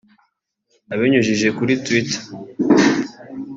abinyujije kuri Twitter